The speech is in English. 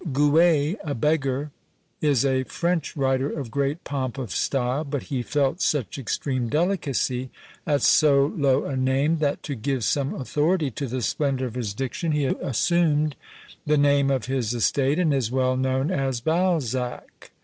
Guez (a beggar) is a French writer of great pomp of style; but he felt such extreme delicacy at so low a name, that to give some authority to the splendour of his diction, he assumed the name of his estate, and is well known as Balzac.